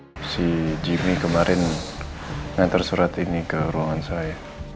hai si jimmy kemarin yang terserat ini ke ruangan saya